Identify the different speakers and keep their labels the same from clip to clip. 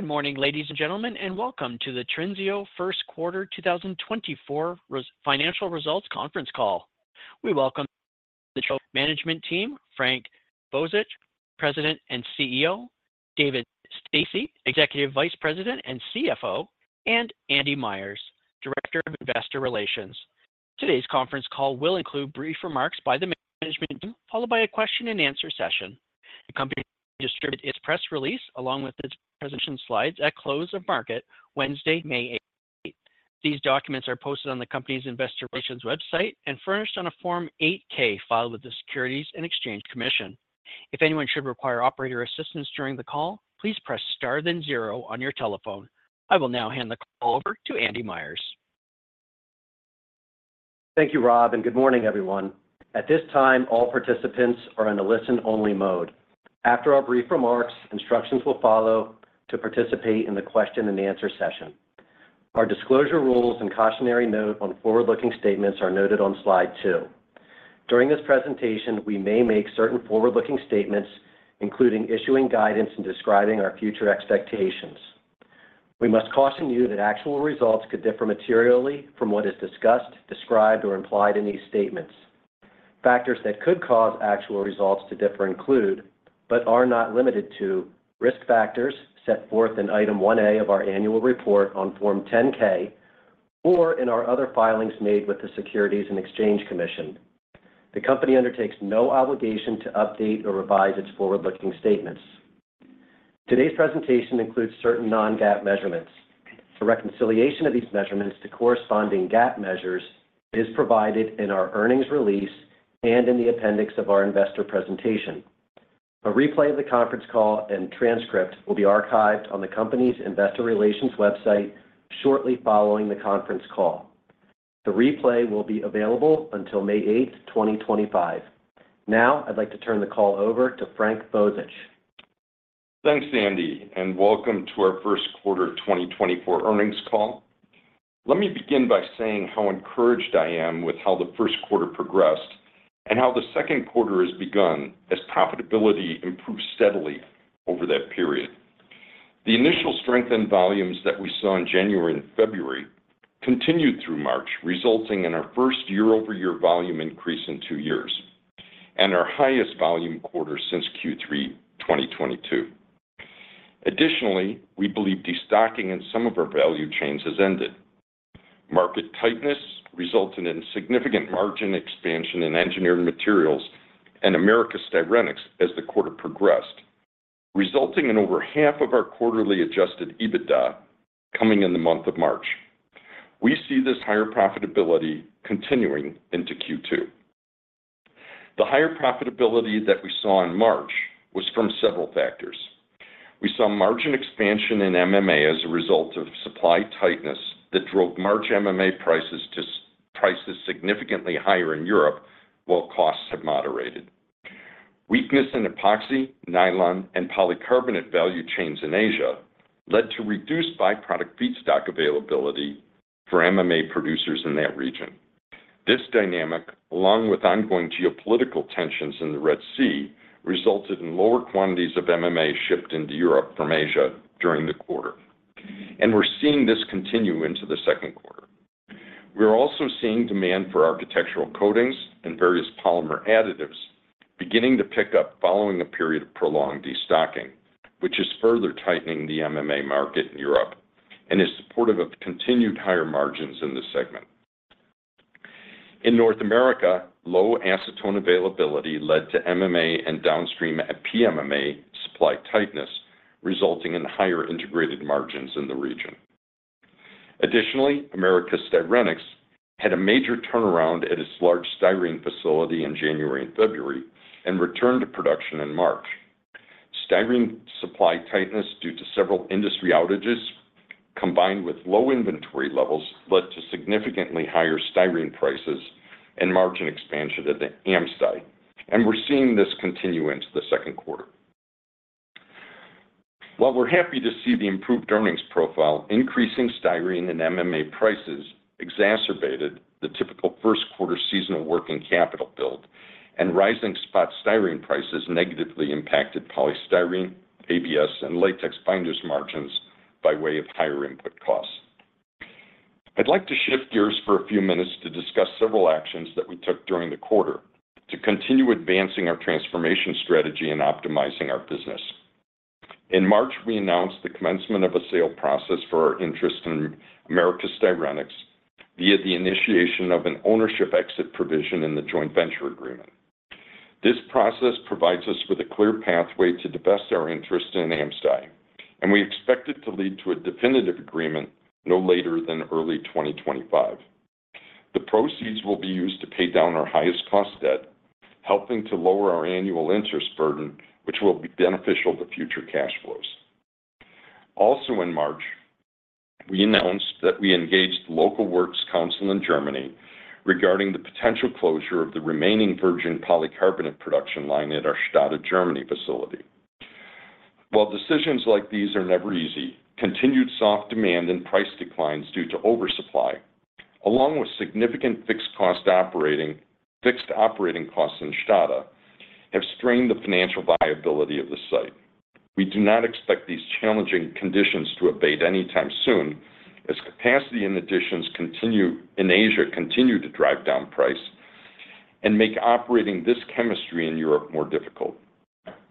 Speaker 1: Good morning, ladies and gentlemen, and welcome to the Trinseo first quarter 2024 financial results conference call. We welcome the management team, Frank Bozich, President and CEO, David Stasse, Executive Vice President and CFO, and Andy Myers, Director of Investor Relations. Today's conference call will include brief remarks by the management team, followed by a question-and-answer session. The company distributed its press release along with its presentation slides at close of market, Wednesday, May 8. These documents are posted on the company's investor relations website and furnished on a Form 8-K filed with the Securities and Exchange Commission. If anyone should require operator assistance during the call, please press star then zero on your telephone. I will now hand the call over to Andy Myers.
Speaker 2: Thank you, Rob, and good morning, everyone. At this time, all participants are in a listen-only mode. After our brief remarks, instructions will follow to participate in the question-and-answer session. Our disclosure rules and cautionary note on forward-looking statements are noted on slide 2. During this presentation, we may make certain forward-looking statements, including issuing guidance and describing our future expectations. We must caution you that actual results could differ materially from what is discussed, described, or implied in these statements. Factors that could cause actual results to differ include, but are not limited to, risk factors set forth in Item 1A of our annual report on Form 10-K or in our other filings made with the Securities and Exchange Commission. The company undertakes no obligation to update or revise its forward-looking statements. Today's presentation includes certain non-GAAP measurements. The reconciliation of these measurements to corresponding GAAP measures is provided in our earnings release and in the appendix of our investor presentation. A replay of the conference call and transcript will be archived on the company's investor relations website shortly following the conference call. The replay will be available until May 8th, 2025. Now, I'd like to turn the call over to Frank Bozich.
Speaker 3: Thanks, Andy, and welcome to our first quarter 2024 earnings call. Let me begin by saying how encouraged I am with how the first quarter progressed and how the second quarter has begun as profitability improved steadily over that period. The initial strength in volumes that we saw in January and February continued through March, resulting in our first year-over-year volume increase in two years and our highest volume quarter since Q3 2022. Additionally, we believe destocking in some of our value chains has ended. Market tightness resulted in significant margin expansion in Engineered Materials and Americas Styrenics as the quarter progressed, resulting in over half of our quarterly Adjusted EBITDA coming in the month of March. We see this higher profitability continuing into Q2. The higher profitability that we saw in March was from several factors. We saw margin expansion in MMA as a result of supply tightness that drove March MMA prices to prices significantly higher in Europe, while costs have moderated. Weakness in epoxy, nylon, and polycarbonate value chains in Asia led to reduced byproduct feedstock availability for MMA producers in that region. This dynamic, along with ongoing geopolitical tensions in the Red Sea, resulted in lower quantities of MMA shipped into Europe from Asia during the quarter, and we're seeing this continue into the second quarter. We are also seeing demand for architectural coatings and various polymer additives beginning to pick up following a period of prolonged destocking, which is further tightening the MMA market in Europe and is supportive of continued higher margins in the segment. In North America, low acetone availability led to MMA and downstream PMMA supply tightness, resulting in higher integrated margins in the region. Additionally, Americas Styrenics had a major turnaround at its large styrene facility in January and February and returned to production in March. Styrene supply tightness due to several industry outages, combined with low inventory levels, led to significantly higher styrene prices and margin expansion at the AmSty, and we're seeing this continue into the second quarter. While we're happy to see the improved earnings profile, increasing styrene and MMA prices exacerbated the typical first quarter seasonal working capital build, and rising spot styrene prices negatively impacted Polystyrene, ABS, and Latex Binders margins by way of higher input costs. I'd like to shift gears for a few minutes to discuss several actions that we took during the quarter to continue advancing our transformation strategy and optimizing our business. In March, we announced the commencement of a sale process for our interest in Americas Styrenics via the initiation of an ownership exit provision in the Joint Venture Agreement. This process provides us with a clear pathway to divest our interest in AmSty, and we expect it to lead to a definitive agreement no later than early 2025. The proceeds will be used to pay down our highest cost debt, helping to lower our annual interest burden, which will be beneficial to future cash flows. Also in March, we announced that we engaged the local works council in Germany regarding the potential closure of the remaining virgin polycarbonate production line at our Stade, Germany facility. While decisions like these are never easy, continued soft demand and price declines due to oversupply, along with significant fixed operating costs in Stade have strained the financial viability of the site. We do not expect these challenging conditions to abate anytime soon, as capacity and additions continue in Asia continue to drive down price and make operating this chemistry in Europe more difficult.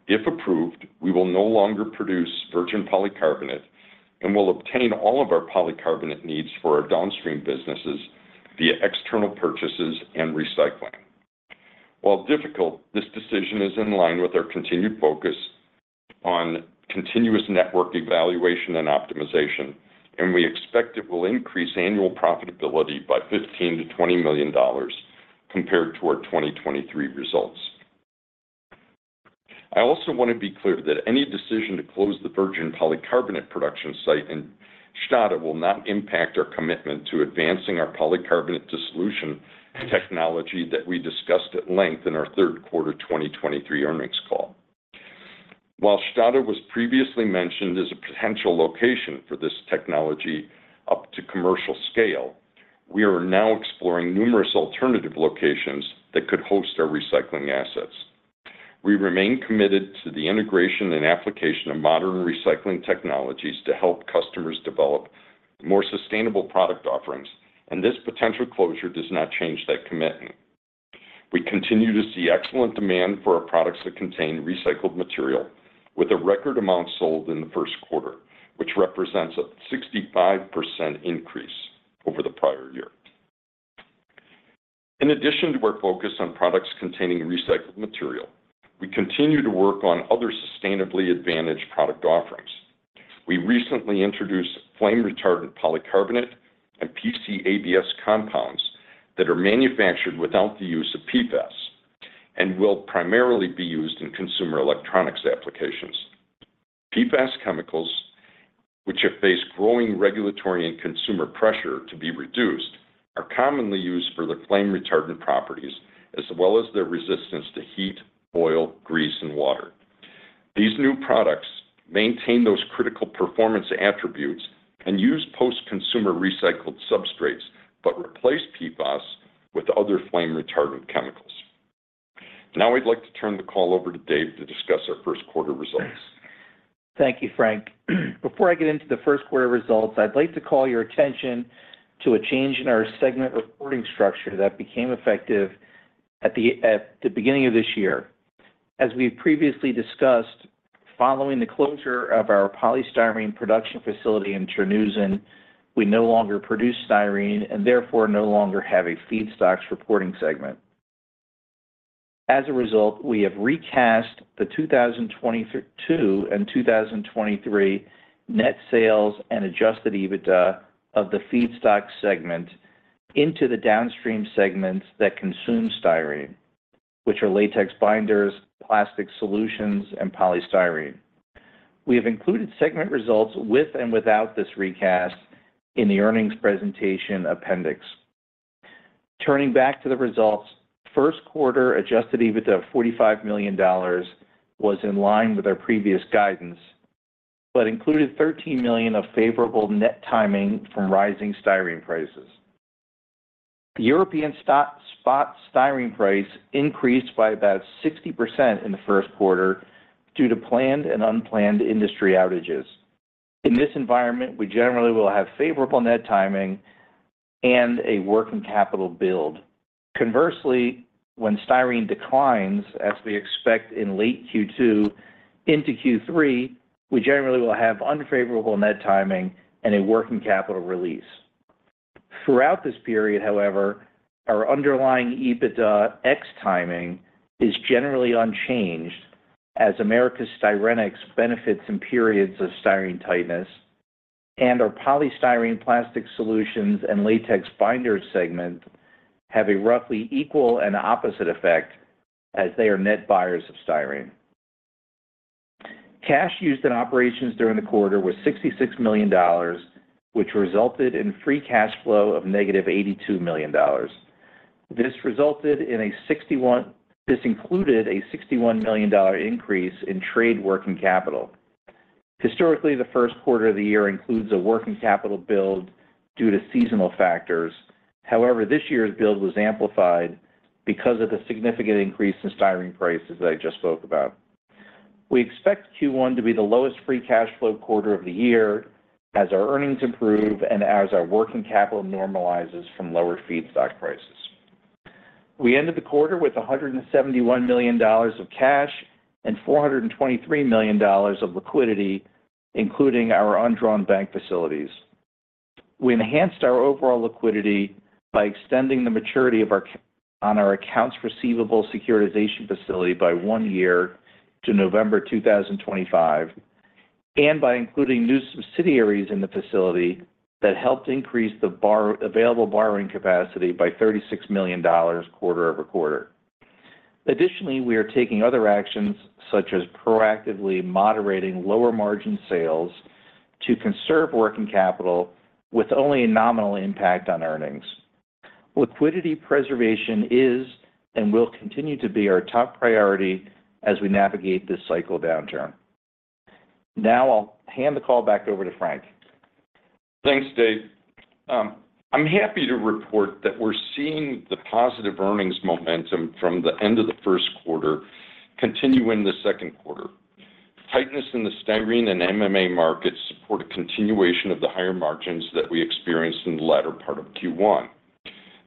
Speaker 3: If approved, we will no longer produce virgin polycarbonate and will obtain all of our polycarbonate needs for our downstream businesses via external purchases and recycling. While difficult, this decision is in line with our continued focus on continuous network evaluation and optimization, and we expect it will increase annual profitability by $15 million-$20 million compared to our 2023 results. I also want to be clear that any decision to close the virgin polycarbonate production site in Stade will not impact our commitment to advancing our polycarbonate dissolution technology that we discussed at length in our third quarter 2023 earnings call. While Stade was previously mentioned as a potential location for this technology up to commercial scale, we are now exploring numerous alternative locations that could host our recycling assets. We remain committed to the integration and application of modern recycling technologies to help customers develop more sustainable product offerings, and this potential closure does not change that commitment. We continue to see excellent demand for our products that contain recycled material with a record amount sold in the first quarter, which represents a 65% increase over the prior year. In addition to our focus on products containing recycled material, we continue to work on other sustainably advantaged product offerings. We recently introduced flame retardant polycarbonate and PC/ABS compounds that are manufactured without the use of PFAS and will primarily be used in consumer electronics applications. PFAS chemicals, which have faced growing regulatory and consumer pressure to be reduced, are commonly used for their flame retardant properties, as well as their resistance to heat, oil, grease, and water. These new products maintain those critical performance attributes and use post-consumer recycled substrates, but replace PFAS with other flame retardant chemicals. Now, I'd like to turn the call over to Dave to discuss our first quarter results.
Speaker 4: Thank you, Frank. Before I get into the first quarter results, I'd like to call your attention to a change in our segment reporting structure that became effective at the beginning of this year. As we've previously discussed, following the closure of our Polystyrene production facility in Terneuzen, we no longer produce styrene and therefore no longer have a Feedstocks reporting segment. As a result, we have recast the 2022 and 2023 net sales and adjusted EBITDA of the Feedstocks segment into the downstream segments that consume styrene, which are Latex Binders, Plastic Solutions, and Polystyrene. We have included segment results with and without this recast in the earnings presentation appendix. Turning back to the results, first quarter Adjusted EBITDA of $45 million was in line with our previous guidance, but included $13 million of favorable net timing from rising styrene prices. The European spot styrene price increased by about 60% in the first quarter due to planned and unplanned industry outages. In this environment, we generally will have favorable net timing and a working capital build. Conversely, when styrene declines, as we expect in late Q2 into Q3, we generally will have unfavorable net timing and a working capital release. Throughout this period, however, our underlying EBITDA ex timing is generally unchanged as Americas Styrenics benefits in periods of styrene tightness and our Polystyrene, Plastic Solutions and Latex Binders segment have a roughly equal and opposite effect as they are net buyers of styrene. Cash used in operations during the quarter was $66 million, which resulted in free cash flow of -$82 million. This included a $61 million increase in trade working capital. Historically, the first quarter of the year includes a working capital build due to seasonal factors. However, this year's build was amplified because of the significant increase in styrene prices that I just spoke about. We expect Q1 to be the lowest free cash flow quarter of the year as our earnings improve and as our working capital normalizes from lower feedstock prices. We ended the quarter with $171 million of cash and $423 million of liquidity, including our undrawn bank facilities. We enhanced our overall liquidity by extending the maturity of our accounts receivable securitization facility by one year to November 2025, and by including new subsidiaries in the facility that helped increase the available borrowing capacity by $36 million quarter-over-quarter. Additionally, we are taking other actions, such as proactively moderating lower margin sales, to conserve working capital with only a nominal impact on earnings. Liquidity preservation is and will continue to be our top priority as we navigate this cycle downturn. Now I'll hand the call back over to Frank.
Speaker 3: Thanks, Dave. I'm happy to report that we're seeing the positive earnings momentum from the end of the first quarter continue in the second quarter. Tightness in the styrene and MMA markets support a continuation of the higher margins that we experienced in the latter part of Q1.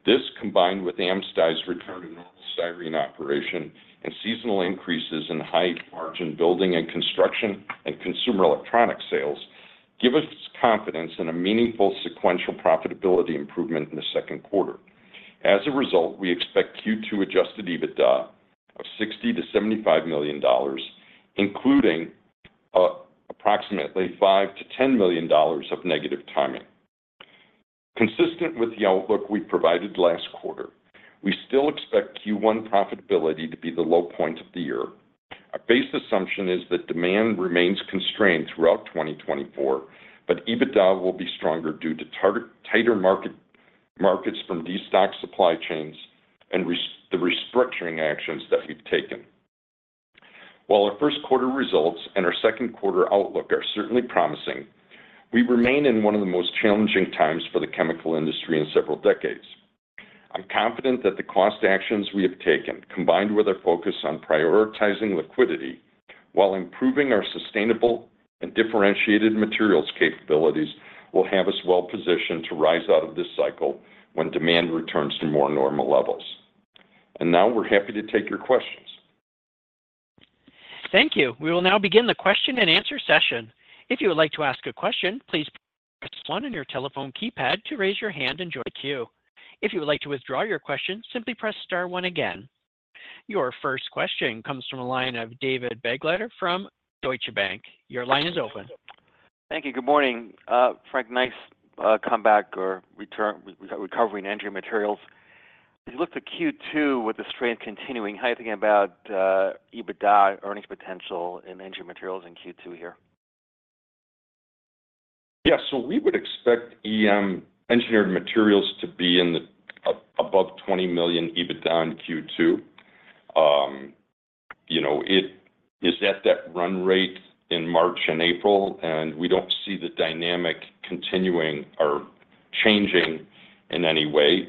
Speaker 3: This, combined with AmSty's return to normal styrene operation and seasonal increases in high-margin building and construction and consumer electronic sales, give us confidence in a meaningful sequential profitability improvement in the second quarter. As a result, we expect Q2 Adjusted EBITDA of $60 million-$75 million, including approximately $5 million-$10 million of negative timing. Consistent with the outlook we provided last quarter, we still expect Q1 profitability to be the low point of the year. Our base assumption is that demand remains constrained throughout 2024, but EBITDA will be stronger due to tighter markets from destocked supply chains and the restructuring actions that we've taken. While our first quarter results and our second quarter outlook are certainly promising, we remain in one of the most challenging times for the chemical industry in several decades. I'm confident that the cost actions we have taken, combined with our focus on prioritizing liquidity while improving our sustainable and differentiated materials capabilities, will have us well positioned to rise out of this cycle when demand returns to more normal levels. Now we're happy to take your questions.
Speaker 1: Thank you. We will now begin the question-and-answer session. If you would like to ask a question, please press one on your telephone keypad to raise your hand and join the queue. If you would like to withdraw your question, simply press star one again. Your first question comes from the line of David Begleiter from Deutsche Bank. Your line is open.
Speaker 5: Thank you. Good morning, Frank, nice comeback or return recovery in Engineered Materials. As you look to Q2 with the strength continuing, how are you thinking about EBITDA earnings potential in Engineered Materials in Q2 here?
Speaker 3: Yeah. So we would expect EM, Engineered Materials, to be above $20 million EBITDA in Q2. You know, it is at that run rate in March and April, and we don't see the dynamic continuing or changing in any way.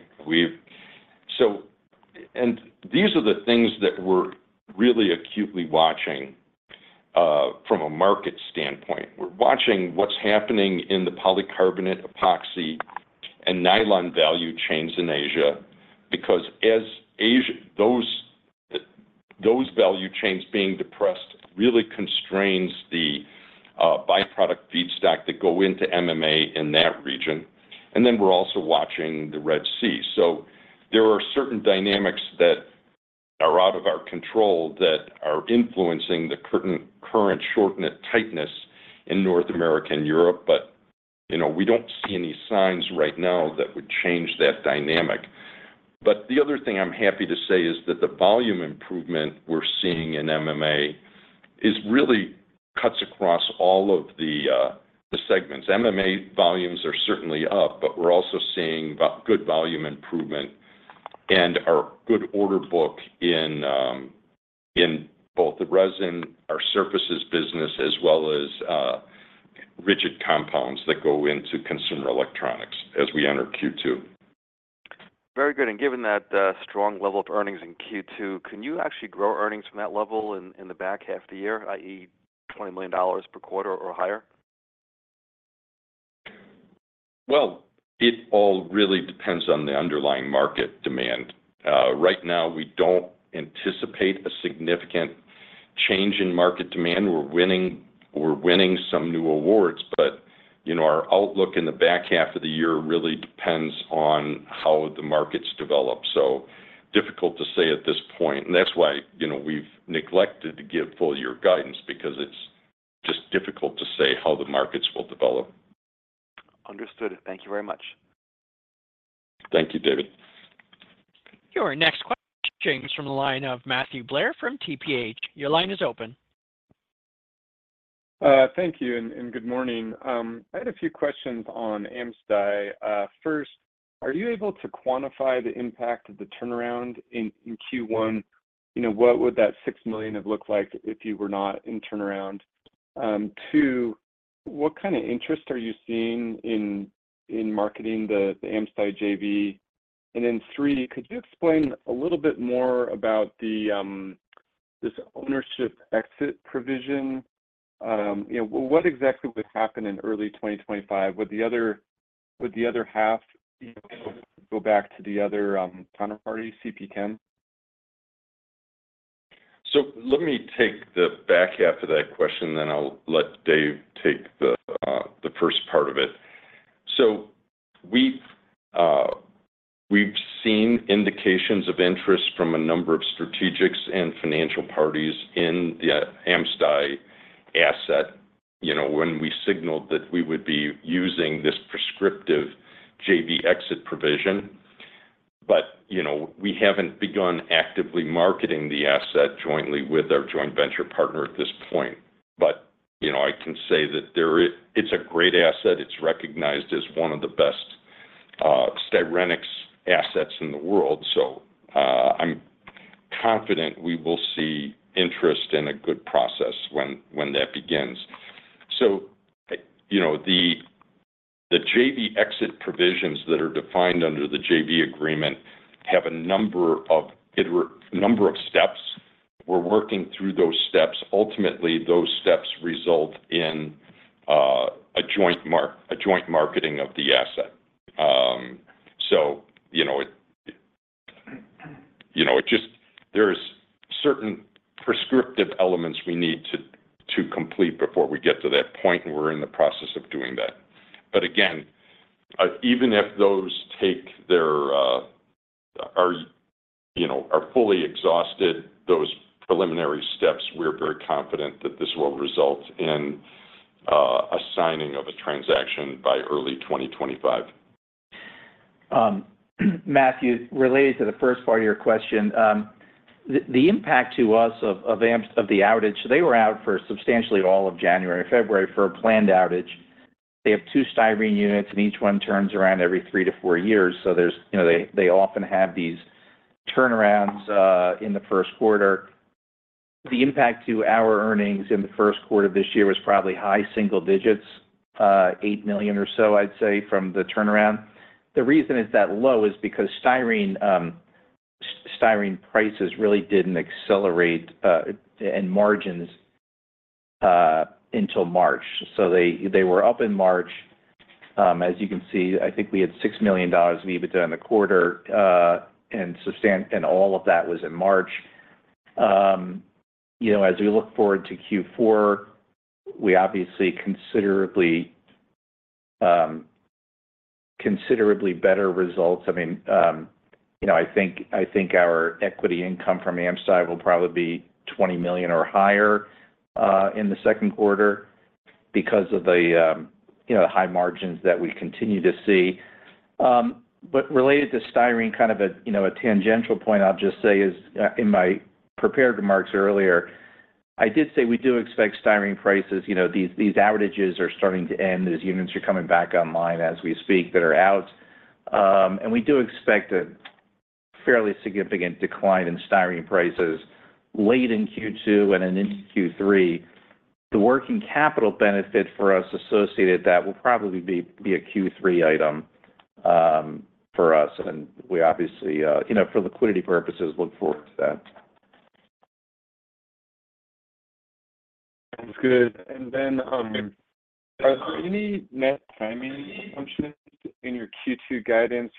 Speaker 3: So these are the things that we're really acutely watching from a market standpoint. We're watching what's happening in the polycarbonate, epoxy, and nylon value chains in Asia, because as Asia those value chains being depressed really constrains the byproduct feedstock that go into MMA in that region. And then we're also watching the Red Sea. So there are certain dynamics that are out of our control that are influencing the current supply tightness in North America and Europe. But, you know, we don't see any signs right now that would change that dynamic. But the other thing I'm happy to say is that the volume improvement we're seeing in MMA is really cuts across all of the, the segments. MMA volumes are certainly up, but we're also seeing good volume improvement and our good order book in, in both the resin, our surfaces business, as well as, rigid compounds that go into consumer electronics as we enter Q2.
Speaker 5: Very good. And given that strong level of earnings in Q2, can you actually grow earnings from that level in the back half of the year, i.e., $20 million per quarter or higher?
Speaker 3: Well, it all really depends on the underlying market demand. Right now, we don't anticipate a significant change in market demand. We're winning, we're winning some new awards, but, you know, our outlook in the back half of the year really depends on how the markets develop. So difficult to say at this point, and that's why, you know, we've neglected to give full year guidance because it's just difficult to say how the markets will develop.
Speaker 5: Understood. Thank you very much.
Speaker 3: Thank you, David.
Speaker 1: Your next question comes from the line of Matthew Blair from TPH. Your line is open.
Speaker 6: Thank you, and good morning. I had a few questions on AmSty. First, are you able to quantify the impact of the turnaround in Q1? You know, what would that $6 million have looked like if you were not in turnaround? Two, what kind of interest are you seeing in marketing the AmSty JV? And then three, could you explain a little bit more about this ownership exit provision? You know, what exactly would happen in early 2025? Would the other half go back to the other counterparty, CP Chem?
Speaker 3: So let me take the back half of that question, then I'll let Dave take the first part of it. So we've seen indications of interest from a number of strategics and financial parties in the AmSty asset, you know, when we signaled that we would be using this prescriptive JV exit provision. But, you know, we haven't begun actively marketing the asset jointly with our joint venture partner at this point. But, you know, I can say that there is. It's a great asset. It's recognized as one of the best styrenics assets in the world, so, I'm confident we will see interest in a good process when that begins. So, you know, the JV exit provisions that are defined under the JV agreement have a number of steps. We're working through those steps. Ultimately, those steps result in a joint marketing of the asset. So you know, it, you know, it just there's certain prescriptive elements we need to complete before we get to that point, and we're in the process of doing that. But again, even if those take their, are, you know, are fully exhausted, those preliminary steps, we're very confident that this will result in a signing of a transaction by early 2025.
Speaker 4: Matthew, related to the first part of your question, the impact to us of the AmSty outage, they were out for substantially all of January, February for a planned outage. They have two styrene units, and each one turns around every three to four years. So there's you know, they, they often have these turnarounds in the first quarter. The impact to our earnings in the first quarter of this year was probably high single digits, $8 million or so, I'd say, from the turnaround. The reason it's that low is because styrene prices really didn't accelerate, and margins until March. So they, they were up in March. As you can see, I think we had $6 million of EBITDA in the quarter, and all of that was in March. You know, as we look forward to Q4, we obviously considerably, considerably better results. I mean, you know, I think, I think our equity income from AmSty will probably be $20 million or higher, in the second quarter because of the, you know, high margins that we continue to see. But related to styrene, kind of a, you know, a tangential point, I'll just say is, in my prepared remarks earlier, I did say we do expect styrene prices, you know, these, these outages are starting to end as units are coming back online as we speak, that are out. And we do expect a fairly significant decline in styrene prices late in Q2 and then into Q3. The working capital benefit for us associated, that will probably be a Q3 item for us, and we obviously, you know, for liquidity purposes, look forward to that.
Speaker 6: Sounds good. And then, are there any net timing assumptions in your Q2 guidance?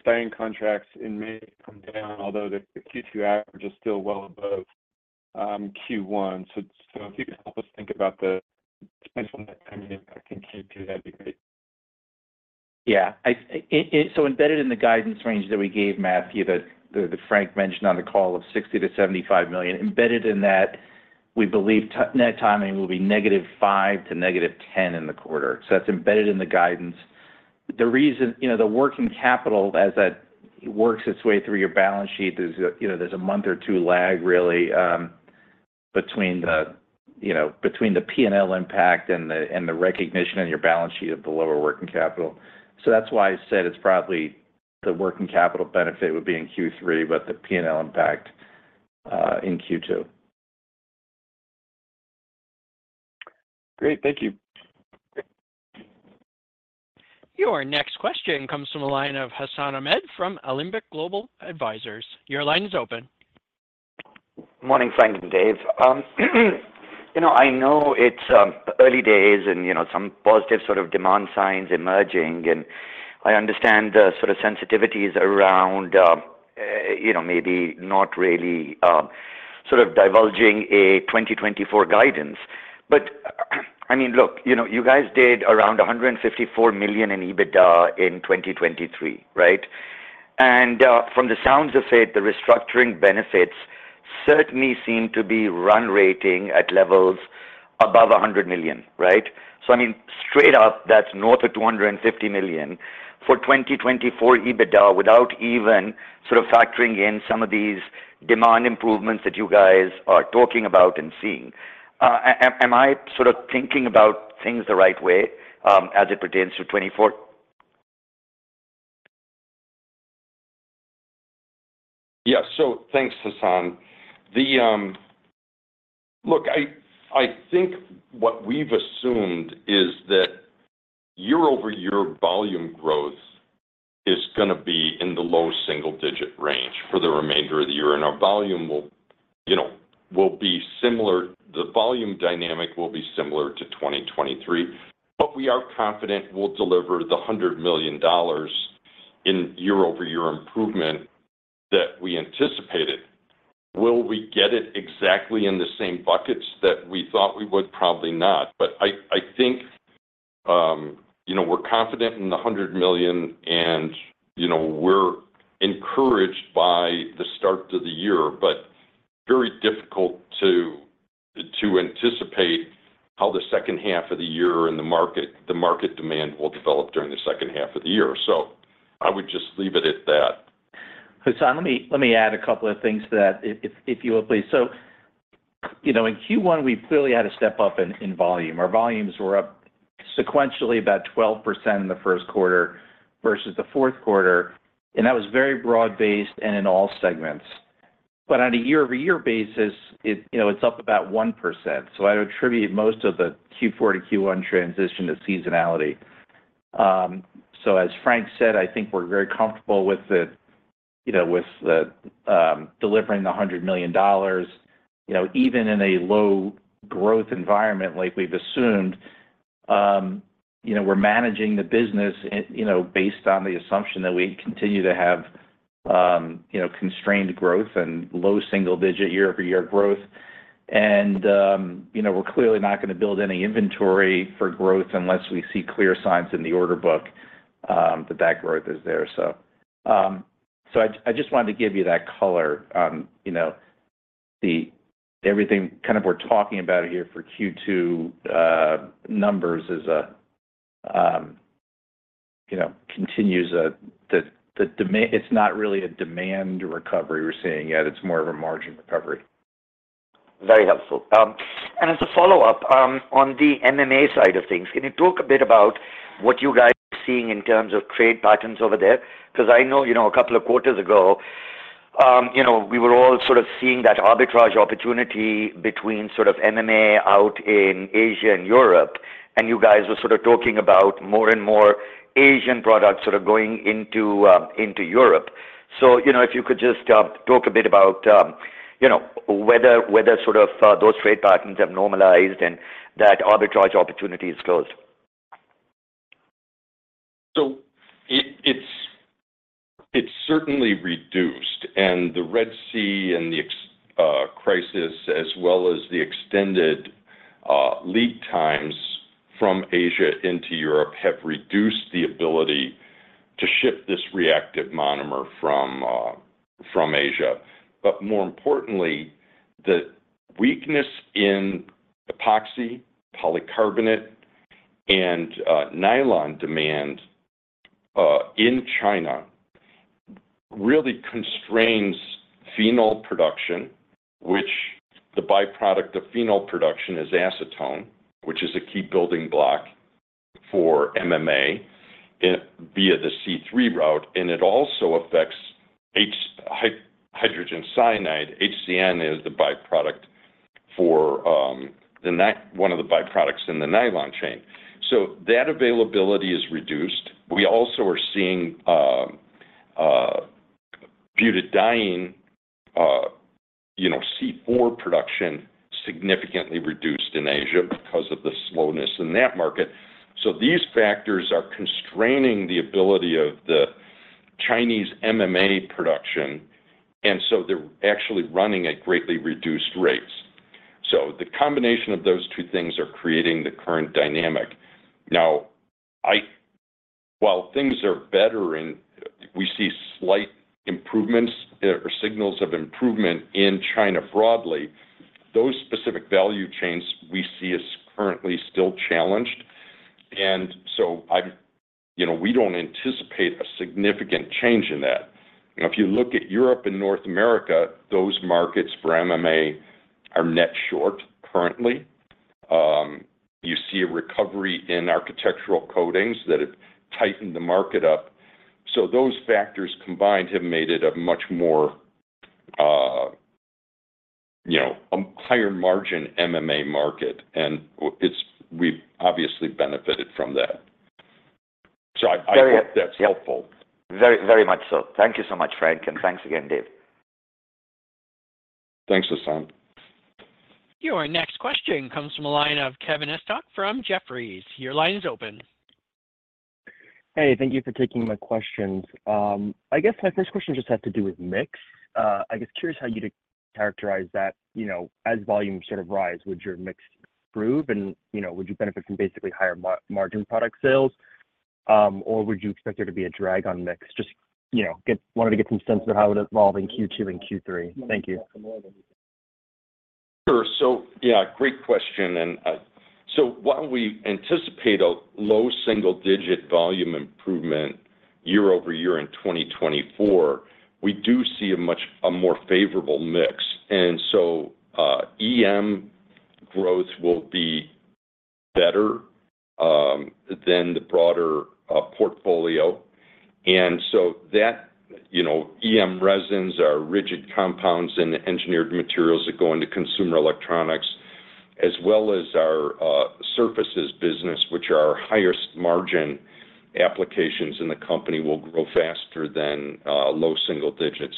Speaker 6: You know, we did see European styrene contracts in May come down, although the Q2 average is still well above Q1. So, if you could help us think about the potential net timing impact in Q2, that'd be great.
Speaker 4: Yeah. I— so embedded in the guidance range that we gave Matthew, that Frank mentioned on the call of $60 million-$75 million, embedded in that, we believe net timing will be -$5 million to -$10 million in the quarter. So that's embedded in the guidance. The reason... You know, the working capital as that works its way through your balance sheet, there's you know, there's a month or two lag, really, between the, you know, between the PNL impact and the, and the recognition on your balance sheet of the lower working capital. So that's why I said it's probably the working capital benefit would be in Q3, but the PNL impact in Q2.
Speaker 6: Great. Thank you.
Speaker 1: Your next question comes from the line of Hassan Ahmed from Alembic Global Advisors. Your line is open.
Speaker 7: Morning, Frank and Dave. You know, I know it's early days and, you know, some positive sort of demand signs emerging, and I understand the sort of sensitivities around, you know, maybe not really sort of divulging a 2024 guidance. But, I mean, look, you know, you guys did around $154 million in EBITDA in 2023, right? And, from the sounds of it, the restructuring benefits certainly seem to be run rating at levels above $100 million, right? So I mean, straight up, that's north of $250 million for 2024 EBITDA, without even sort of factoring in some of these demand improvements that you guys are talking about and seeing. Am I sort of thinking about things the right way, as it pertains to 2024?
Speaker 3: Yeah. So thanks, Hassan. Look, I, I think what we've assumed is that year-over-year volume growth is gonna be in the low single-digit range for the remainder of the year, and our volume will, you know, will be similar, the volume dynamic will be similar to 2023, but we are confident we'll deliver the $100 million in year-over-year improvement that we anticipated. Will we get it exactly in the same buckets that we thought we would? Probably not. But I, I think, you know, we're confident in the $100 million, and, you know, we're encouraged by the start of the year, but very difficult to, to anticipate how the second half of the year and the market, the market demand will develop during the second half of the year. So I would just leave it at that.
Speaker 4: Hassan, let me add a couple of things to that if, if you will, please. So, you know, in Q1, we clearly had a step up in volume. Our volumes were up sequentially about 12% in the first quarter versus the fourth quarter, and that was very broad-based and in all segments. But on a year-over-year basis, it, you know, it's up about 1%, so I'd attribute most of the Q4 to Q1 transition to seasonality. So as Frank said, I think we're very comfortable with the, you know, with the delivering the $100 million. You know, even in a low growth environment like we've assumed, you know, we're managing the business, and, you know, based on the assumption that we continue to have, you know, constrained growth and low single digit year-over-year growth. You know, we're clearly not gonna build any inventory for growth unless we see clear signs in the order book that that growth is there. So, I just wanted to give you that color on, you know, the everything kind of we're talking about here for Q2 numbers is a continuation of the demand. It's not really a demand recovery we're seeing yet. It's more of a margin recovery.
Speaker 7: Very helpful. As a follow-up, on the MMA side of things, can you talk a bit about what you guys are seeing in terms of trade patterns over there? 'Cause I know, you know, a couple of quarters ago, you know, we were all sort of seeing that arbitrage opportunity between sort of MMA out in Asia and Europe, and you guys were sort of talking about more and more Asian products sort of going into Europe. So, you know, if you could just talk a bit about, you know, whether sort of those trade patterns have normalized and that arbitrage opportunity is closed?
Speaker 3: So it's certainly reduced, and the Red Sea crisis as well as the extended lead times from Asia into Europe have reduced the ability to ship this reactive monomer from Asia. But more importantly, the weakness in epoxy, polycarbonate, and nylon demand in China really constrains phenol production, which the byproduct of phenol production is acetone, which is a key building block for MMA via the C3 route, and it also affects hydrogen cyanide. HCN is the byproduct for one of the byproducts in the nylon chain. So that availability is reduced. We also are seeing butadiene, you know, C4 production significantly reduced in Asia because of the slowness in that market. So these factors are constraining the ability of the Chinese MMA production, and so they're actually running at greatly reduced rates. So the combination of those two things are creating the current dynamic. Now, while things are better and we see slight improvements or signals of improvement in China broadly, those specific value chains we see is currently still challenged. And so you know, we don't anticipate a significant change in that. You know, if you look at Europe and North America, those markets for MMA are net short currently. You see a recovery in architectural coatings that have tightened the market up, so those factors combined have made it a much more, you know, a higher margin MMA market, and we've obviously benefited from that. So I,
Speaker 7: Very, yep.
Speaker 3: Hope that's helpful.
Speaker 7: Very, very much so. Thank you so much, Frank, and thanks again, Dave.
Speaker 3: Thanks, Hassan.
Speaker 1: Your next question comes from the line of Kevin Estok from Jefferies. Your line is open.
Speaker 8: Hey, thank you for taking my questions. I guess my first question just had to do with mix. I'm just curious how you'd characterize that, you know, as volumes sort of rise, would your mix improve and, you know, would you benefit from basically higher margin product sales? Or would you expect there to be a drag on mix? Just, you know, wanted to get some sense of how it evolved in Q2 and Q3. Thank you.
Speaker 3: Sure. So, yeah, great question, and, so while we anticipate a low single-digit volume improvement year-over-year in 2024, we do see a much more favorable mix. And so, EM growth will be better than the broader portfolio. And so that, you know, EM resins are rigid compounds and Engineered Materials that go into consumer electronics, as well as our surfaces business, which are our highest margin applications in the company, will grow faster than low single digits.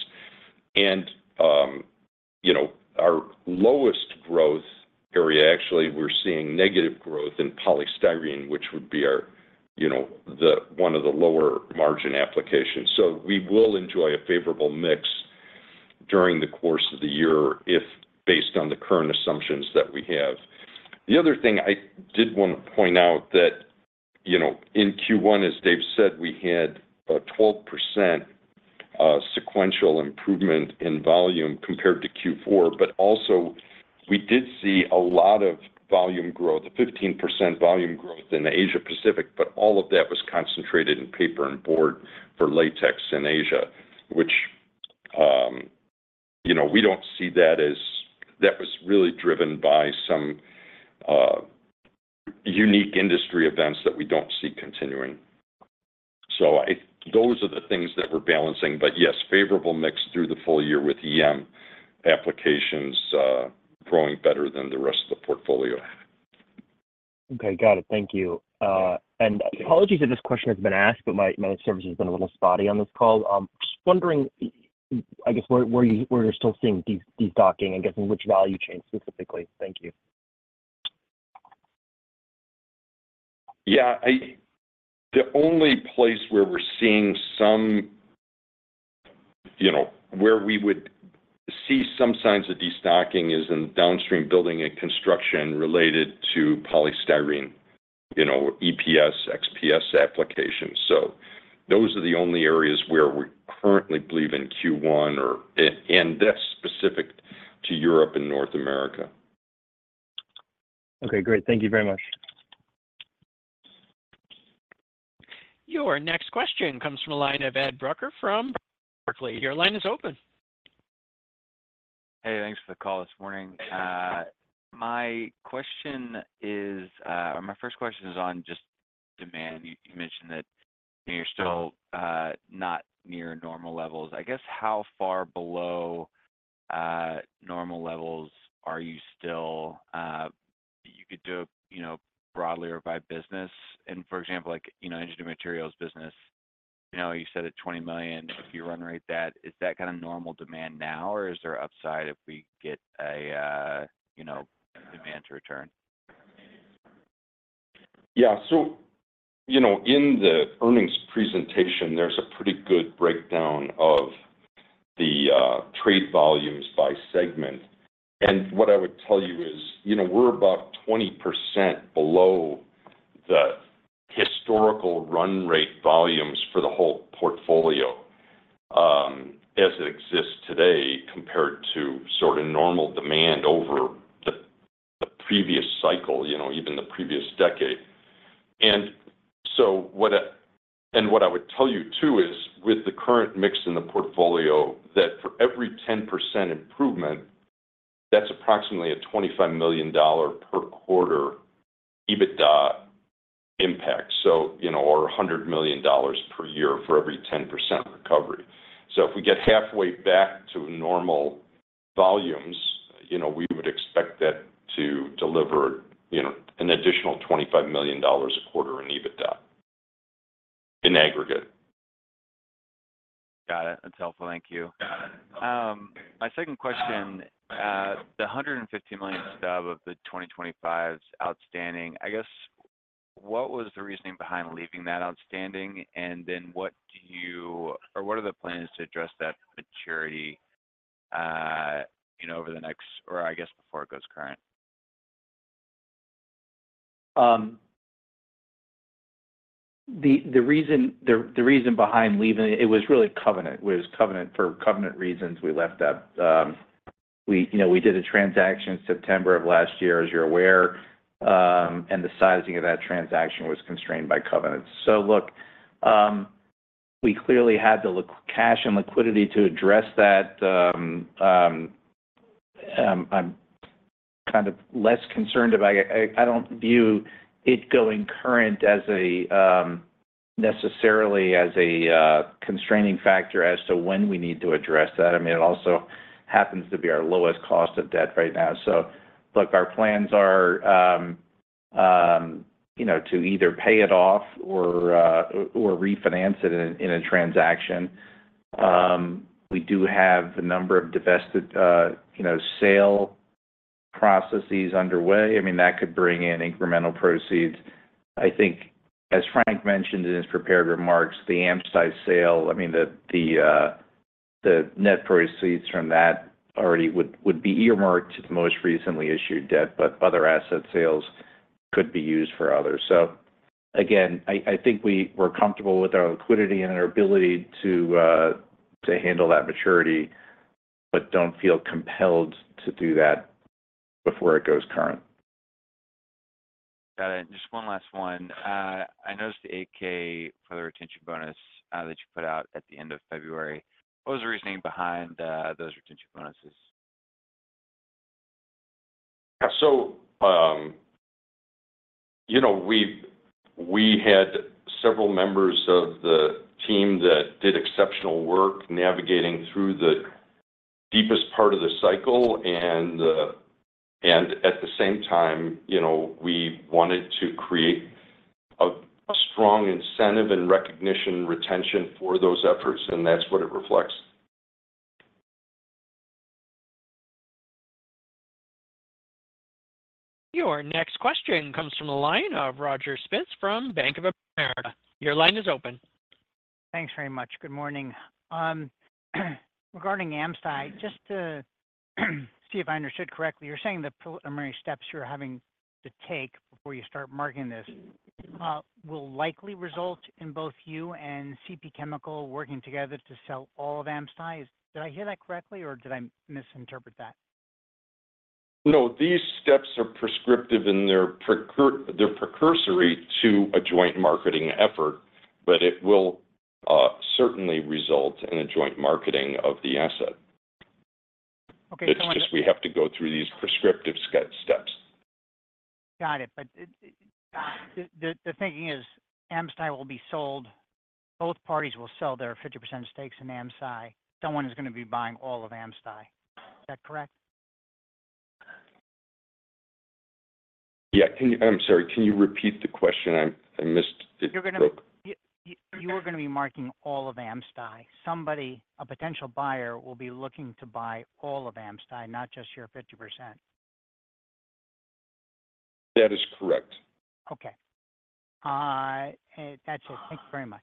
Speaker 3: And, you know, our lowest growth area, actually, we're seeing negative growth in Polystyrene, which would be our, you know, the one of the lower margin applications. So we will enjoy a favorable mix during the course of the year if based on the current assumptions that we have. The other thing I did want to point out that, you know, in Q1, as Dave said, we had a 12% sequential improvement in volume compared to Q4, but also we did see a lot of volume growth, a 15% volume growth in Asia Pacific, but all of that was concentrated in paper and board for latex in Asia, which, you know, we don't see that as... That was really driven by some unique industry events that we don't see continuing. So those are the things that we're balancing. But yes, favorable mix through the full year with EM applications growing better than the rest of the portfolio.
Speaker 8: Okay, got it. Thank you. And apologies if this question has been asked, but my service has been a little spotty on this call. Just wondering, I guess, where you're still seeing destocking, and guessing which value chain specifically? Thank you.
Speaker 3: Yeah, the only place where we're seeing some, you know, where we would see some signs of destocking is in downstream building and construction related to Polystyrene, you know, EPS, XPS applications. So those are the only areas where we currently believe in Q1 or and that's specific to Europe and North America.
Speaker 8: Okay, great. Thank you very much.
Speaker 1: Your next question comes from the line of Ed Brucker from Barclays. Your line is open.
Speaker 9: Hey, thanks for the call this morning. My question is, or my first question is on just demand. You, you mentioned that you're still not near normal levels. I guess, how far below normal levels are you still? You could do it, you know, broadly or by business. And for example, like, you know, Engineered Materials business, you know, you said at $20 million, if you run rate that, is that kind of normal demand now, or is there upside if we get a, you know, demand to return?
Speaker 3: Yeah. So, you know, in the earnings presentation, there's a pretty good breakdown of the trade volumes by segment. And what I would tell you is, you know, we're about 20% below the historical run rate volumes for the whole portfolio as it exists today, compared to sort of normal demand over the previous cycle, you know, even the previous decade. And what I would tell you, too, is with the current mix in the portfolio, that for every 10% improvement, that's approximately a $25 million per quarter EBITDA impact, so, you know, or a $100 million per year for every 10% recovery. So if we get halfway back to normal volumes, you know, we would expect that to deliver, you know, an additional $25 million a quarter in EBITDA, in aggregate.
Speaker 9: Got it. That's helpful. Thank you. My second question: the $150 million stub of the 2025s outstanding, I guess, what was the reasoning behind leaving that outstanding? And then what do you... or what are the plans to address that maturity, you know, over the next-- or I guess, before it goes current?
Speaker 4: The reason behind leaving it, it was really covenant. It was for covenant reasons, we left that. You know, we did a transaction September of last year, as you're aware, and the sizing of that transaction was constrained by covenants. So look, we clearly had the cash and liquidity to address that. I'm kind of less concerned about it. I don't view it going current as a necessarily as a constraining factor as to when we need to address that. I mean, it also happens to be our lowest cost of debt right now. So look, our plans are, you know, to either pay it off or refinance it in a transaction. We do have a number of divested sale processes underway. I mean, that could bring in incremental proceeds. I think, as Frank mentioned in his prepared remarks, the AmSty sale, I mean, the net proceeds from that already would be earmarked to the most recently issued debt, but other asset sales could be used for others. So again, I think we're comfortable with our liquidity and our ability to handle that maturity, but don't feel compelled to do that before it goes current.
Speaker 9: Got it. Just one last one. I noticed the 8-K for the retention bonus that you put out at the end of February. What was the reasoning behind those retention bonuses?
Speaker 3: Yeah. So, you know, we had several members of the team that did exceptional work navigating through the deepest part of the cycle, and at the same time, you know, we wanted to create a strong incentive and recognition, retention for those efforts, and that's what it reflects.
Speaker 1: Your next question comes from the line of Roger Spitz from Bank of America. Your line is open.
Speaker 10: Thanks very much. Good morning. Regarding AmSty, just to see if I understood correctly, you're saying the preliminary steps you're having to take before you start marketing this, will likely result in both you and CP Chem working together to sell all of AmSty. Did I hear that correctly, or did I misinterpret that?
Speaker 3: No, these steps are prescriptive in their - they're precursory to a joint marketing effort, but it will certainly result in a joint marketing of the asset.
Speaker 10: Okay-
Speaker 3: It's just we have to go through these prescriptive steps.
Speaker 10: Got it. But the thinking is AmSty will be sold, both parties will sell their 50% stakes in AmSty. Someone is gonna be buying all of AmSty. Is that correct?
Speaker 3: Yeah. Can you, I'm sorry, can you repeat the question? I, I missed it.
Speaker 10: You're gonna-
Speaker 3: It broke.
Speaker 10: You are gonna be marketing all of AmSty. Somebody, a potential buyer, will be looking to buy all of AmSty, not just your 50%?
Speaker 3: That is correct.
Speaker 10: Okay. That's it. Thank you very much.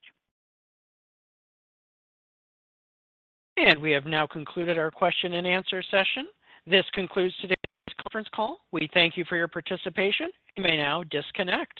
Speaker 1: We have now concluded our question-and-answer session. This concludes today's conference call. We thank you for your participation. You may now disconnect.